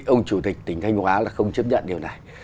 ông chủ tịch tỉnh thanh hóa là không chấp nhận điều này